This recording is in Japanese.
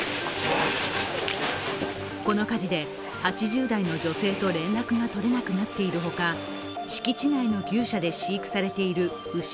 この火事で８０代の女性と連絡が取れなくなっているほか、敷地内の牛舎で飼育されている牛